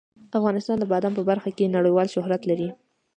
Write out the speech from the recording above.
افغانستان د بادام په برخه کې نړیوال شهرت لري.